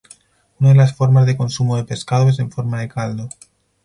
Una de las formas de consumo de pescado es en forma de caldo.